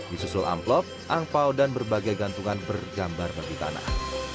disusul amplop angpao dan berbagai gantungan bergambar bagi tanah